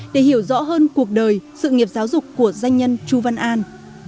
để hiểu rõ hơn cuộc đời sự nghiệp giáo dục của doanh nhân chu văn an